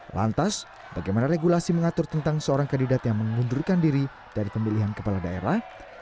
lantas bagaimana regulasi mengatur tentang seorang kandidat yang mengundurkan diri dari pemilihan kepala daerah